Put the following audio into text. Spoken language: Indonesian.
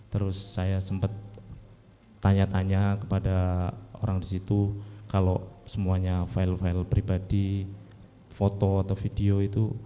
terus saya sempat tanya tanya kepada orang di situ kalau semuanya file file pribadi foto atau video itu